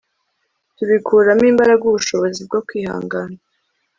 Tubikuramo imbaraga ubushobozi bwo kwihangana